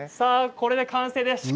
これで完成です。